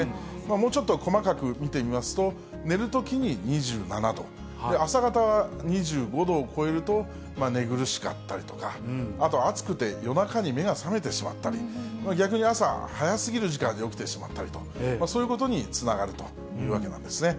もうちょっと細かく見てみますと、寝るときに２７度、朝方は２５度を超えると、寝苦しかったりとか、あと暑くて、夜中に目が覚めてしまったり、逆に朝早すぎる時間に起きてしまったりと、そういうことにつながるというわけなんですね。